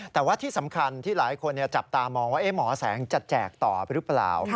แต่ว่าที่สำคัญที่หลายคนจับตามองว่าหมอแสงจะแจกต่อหรือเปล่า